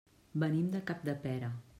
Venim de Capdepera.